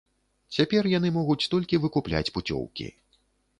Цяпер яны могуць толькі выкупляць пуцёўкі.